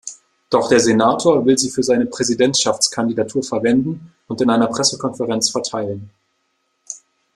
Doch der Senator will sie für seine Präsidentschaftskandidatur verwenden und in einer Pressekonferenz verteilen.